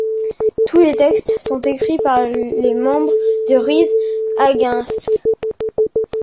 Tous les textes sont écrits par les membres de Rise Against.